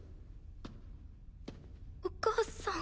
お母さん。